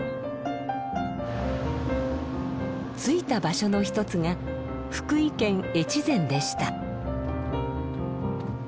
着いた場所の一つが福井県越前でした。